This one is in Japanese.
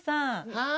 はい？